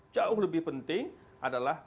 jauh lebih penting adalah